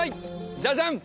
ジャジャン！